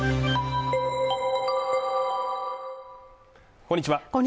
こんにちは